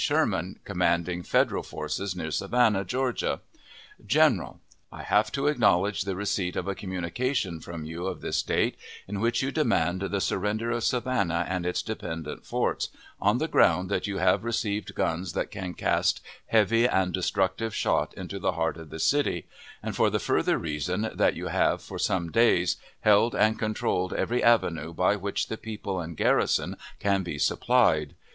SHERMAN, commanding Federal Forces near Savannah, Georgia. GENERAL: I have to acknowledge the receipt of a communication from you of this date, in which you demand "the surrender of Savannah and its dependent forts," on the ground that you "have received guns that can cast heavy and destructive shot into the heart of the city," and for the further reason that you "have, for some days, held and controlled every avenue by which the people and garrison can be supplied."